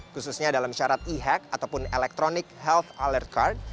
khususnya dalam syarat e hack ataupun electronic health alert card